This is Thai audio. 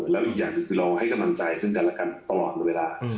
แล้วอีกอย่างหนึ่งคือเราให้กำลังใจซึ่งกันและกันตลอดเวลา